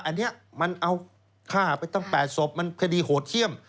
อันนี้มันเอาฆ่าไปตั้ง๘ศพมันคดีโหดเขี้ยม